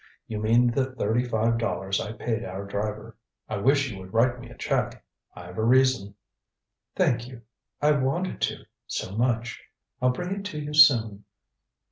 You mean the thirty five dollars I paid our driver. I wish you would write me a check. I've a reason." "Thank you. I wanted to so much. I'll bring it to you soon."